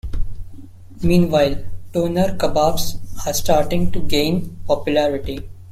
Meanwhile, Doner kebabs are starting to gain popularity.